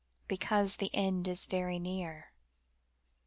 Because the end is very near."